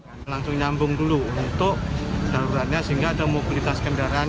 kita akan menambung dulu untuk daruratnya sehingga ada mobilitas kendaraan